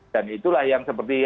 dan itulah yang seperti